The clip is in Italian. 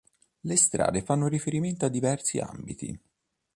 Le strade fanno riferimento a diversi ambiti.